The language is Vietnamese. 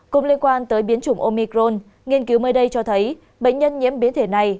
cũng liên quan tới biến chủng omicron nghiên cứu mới đây cho thấy bệnh nhân nhiễm biến thể này